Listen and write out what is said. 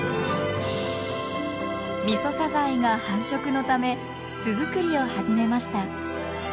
ミソサザイが繁殖のため巣づくりを始めました。